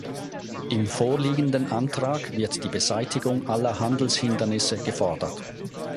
Im vorliegenden Antrag wird die Beseitigung aller Handelshindernisse gefordert.